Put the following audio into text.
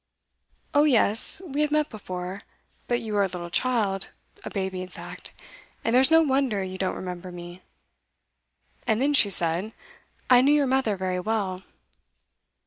"Oh, yes, we have met before, but you were a little child, a baby in fact, and there's no wonder you don't remember me?" And then she said, "I knew your mother very well."